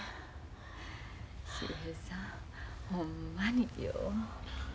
秀平さんほんまによう。